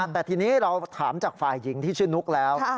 แต่ทีนี้เราถามจากฝ่ายหญิงที่ชื่อนุ๊กแล้ว